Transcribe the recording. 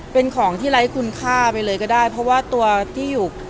เป็นของที่ไร้คุณค่าไปเลยก็ได้เพราะว่าตัวที่อยู่